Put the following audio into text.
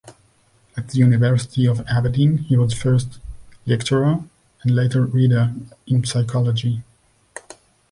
At the University of Aberdeen he was first lecturer, and later reader in psychology.